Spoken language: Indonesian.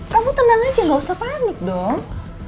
kamu tenang aja gak usah panik dong